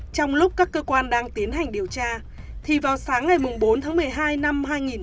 trong lúc các cơ quan đang tiến hành điều tra thì vào sáng ngày bốn tháng một mươi hai năm hai nghìn một mươi ba